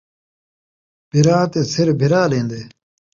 بھرا تے سر بھرا ݙین٘دے